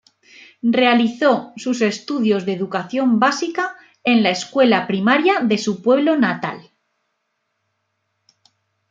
Realizó sus estudios de educación básica en la escuela primaria de su pueblo natal.